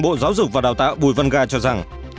bộ giáo dục và đào tạo bùi văn ga cho rằng